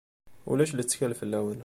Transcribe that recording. Ulac lettkal fell-awen.